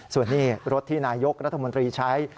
ส่วนนี้รถที่นายกรัฐมนตรีใช้